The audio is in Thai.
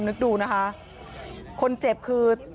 นึกดูนะคะคนเจ็บคือ